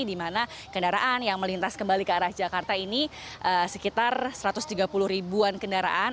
di mana kendaraan yang melintas kembali ke arah jakarta ini sekitar satu ratus tiga puluh ribuan kendaraan